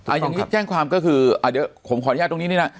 อายานนี้แจ้งความก็คือผมขออนุญาตตรงนี้นะครับ